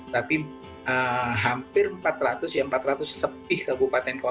tapi hampir empat ratus ya empat ratus sepi kabupaten kota